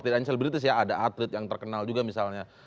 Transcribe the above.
tidak hanya selebritis ya ada atlet yang terkenal juga misalnya